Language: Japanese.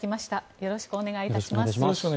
よろしくお願いします。